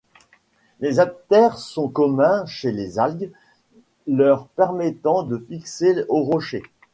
Les haptères sont communs chez les algues, leur permettant de fixer aux rochers.